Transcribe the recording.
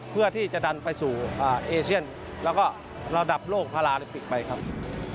เพื่อที่จะดันไปสู่เอเชียนแล้วก็ระดับโลกพาราลิมปิกไปครับ